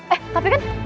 eh tapi kan